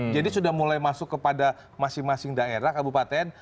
jadi sudah mulai masuk kepada masing masing daerah kabupaten